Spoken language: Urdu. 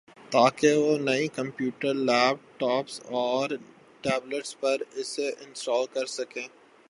تاکہ وہ نئی کمپیوٹر ، لیپ ٹاپس اور ٹیبلٹس پر اسے انسٹال کر سکیں